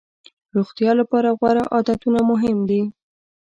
روغتیا لپاره غوره عادتونه مهم دي.